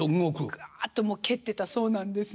ぐわっともう蹴ってたそうなんです。